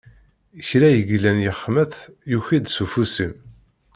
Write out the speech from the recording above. Kra i yellan yexmet, yuki-d s ufus-im.